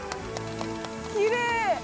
きれい！